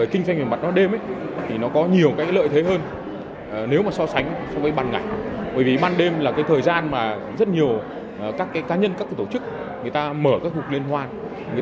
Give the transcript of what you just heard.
kính chào tạm biệt và hẹn gặp lại